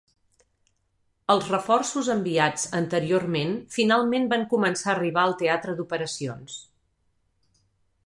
Els reforços enviats anteriorment finalment van començar a arribar al teatre d'operacions.